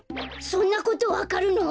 そんなことわかるの！？